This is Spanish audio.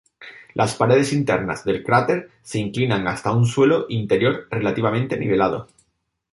Las paredes internas del cráter se inclinan hasta un suelo interior relativamente nivelado.